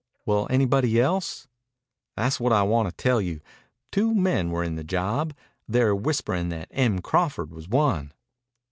"Well, anybody else?" "Tha's what I wanta tell you. Two men were in the job. They're whisperin' that Em Crawford was one."